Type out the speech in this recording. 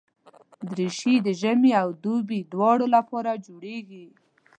دریشي د ژمي او دوبي دواړو لپاره جوړېږي.